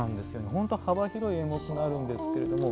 本当、幅広い演目があるんですけれども。